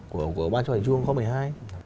của ban chủ tịch trung ương quốc hội một mươi hai